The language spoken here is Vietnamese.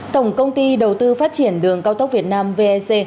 tổng công ty đầu tư phát triển đường cao tốc việt nam vec